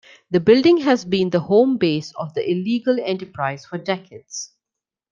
The building has been the home base of the illegal enterprise for decades.